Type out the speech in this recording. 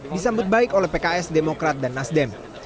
disambut baik oleh pks demokrat dan nasdem